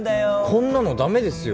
こんなの駄目ですよ。